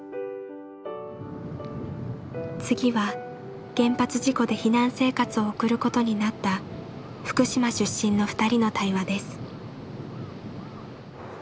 次は原発事故で避難生活を送ることになった福島出身の２人の対話です。